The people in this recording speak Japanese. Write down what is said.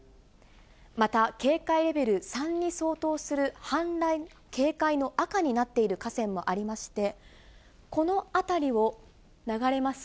また警戒レベル３に相当する氾濫警戒の赤になっている河川もありまして、この辺りを流れます